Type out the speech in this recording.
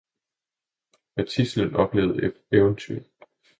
Hvad tidslen oplevede Eventyr